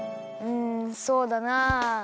うんそうだなあ。